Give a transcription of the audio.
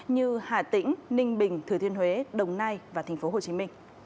như hà tĩnh ninh bình thừa thiên huế đồng nai và tp hcm